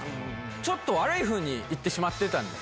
ちょっと悪いふうに言ってしまってたんです。